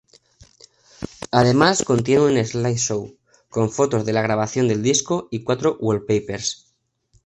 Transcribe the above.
Además contiene un "slide-show" con fotos de la grabación del disco y cuatro "wall-papers".